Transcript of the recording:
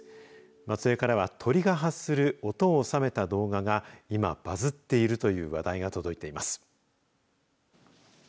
松江からは鳥が発する音を収めた動画が今バズっているという話題が届いています。